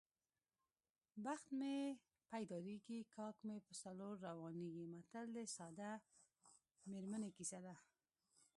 بخت مې پیدارېږي کاک مې په څلور روانېږي متل د ساده میرمنې کیسه ده